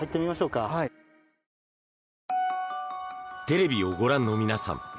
テレビをご覧の皆さん